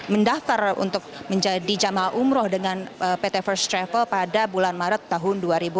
mendaftar untuk menjadi jemaah umroh dengan pt first travel pada bulan maret tahun dua ribu dua puluh